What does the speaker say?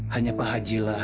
hanya pak haji lah